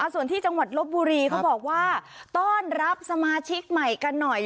ส่วนที่จังหวัดลบบุรีเขาบอกว่าต้อนรับสมาชิกใหม่กันหน่อย